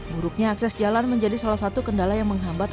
buruknya akses jalan menjadi salah satu kendala yang menghambat